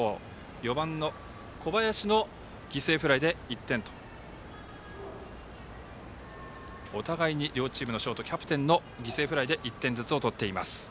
４番の小林の犠牲フライで１点とお互いに両チームのショート、キャプテンの犠牲フライで１点ずつを取っています。